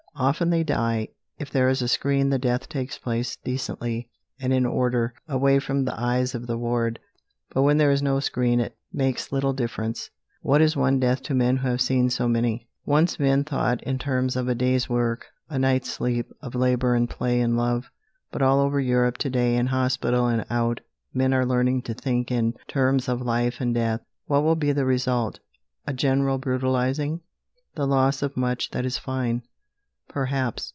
Often they die. If there is a screen, the death takes place decently and in order, away from the eyes of the ward. But when there is no screen, it makes little difference. What is one death to men who have seen so many? Once men thought in terms of a day's work, a night's sleep, of labour and play and love. But all over Europe to day, in hospital and out, men are learning to think in terms of life and death. What will be the result? A general brutalising? The loss of much that is fine? Perhaps.